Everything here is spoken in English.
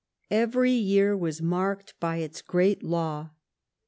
Every year was marked by its great law.